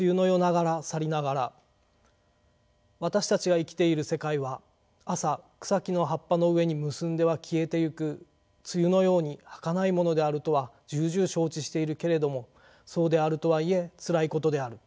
私たちが生きている世界は朝草木の葉っぱの上に結んでは消えていく露のようにはかないものであるとはじゅうじゅう承知しているけれどもそうであるとはいえつらいことである。